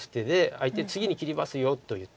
相手に「次に切りますよ」と言ってる。